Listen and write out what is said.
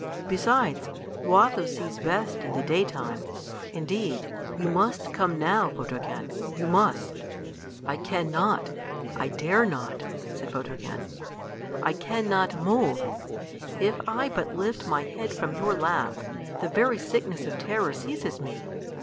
Besides, Watho sees best in the daytime. Indeed, you must come now, Photogen. You must." "I can not; I dare not," said Photogen. "I can not move. If I but lift my head from your lap, the very sickness of terror seizes me."